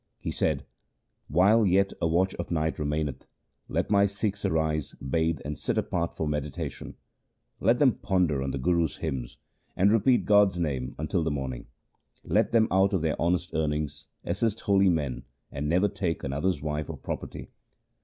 He said, 'While yet a watch of night remaineth, let my Sikhs arise, bathe, and sit apart for meditation. Let them ponder on the Guru's hymns and repeat God's name until the morning. Let them out of their honest earnings assist holy men and never take another's wife or property.